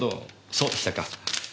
そうでしたか。